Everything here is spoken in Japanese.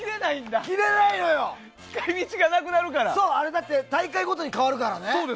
だって大会ごとに変わるからね。